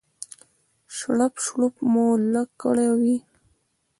شړپ شړوپ مو لږ کړی وي.